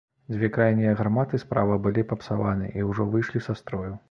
Дзве крайнія гарматы справа былі папсаваны і ўжо выйшлі са строю.